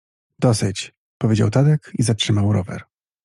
— Dosyć — powiedział Tadek i zatrzymał rower.